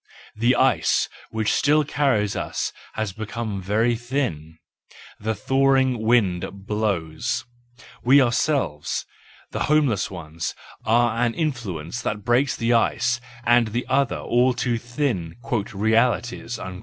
The ice which still carries us has become very thin : the thawing wind blows; we ourselves, the homeless ones, are an influence that breaks the ice, and the other all too thin "realities/ 1 ...